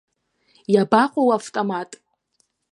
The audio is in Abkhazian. Иабаҟоу уавтомат?